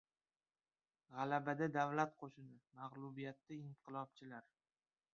• G‘alabada — davlat qo‘shini, mag‘lubiyatda — inqilobchilar.